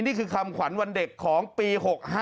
นี่คือคำขวัญวันเด็กของปี๖๕